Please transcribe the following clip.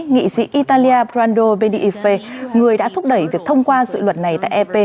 nghị sĩ italia brando vdife người đã thúc đẩy việc thông qua dự luật này tại ep